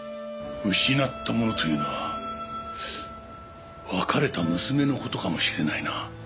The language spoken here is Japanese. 失ったものというのは別れた娘の事かもしれないな。